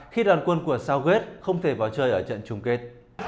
khi đoàn quân của southgate không thể vào chơi ở trận trung kết